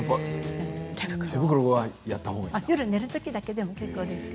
手袋はやったほうがいいんですか？